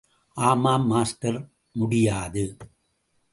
ஆமாம் மாஸ்டர், முடியாது!